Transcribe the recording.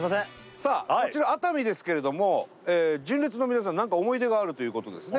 さあこちら熱海ですけれども純烈の皆さん何か思い出があるということですね。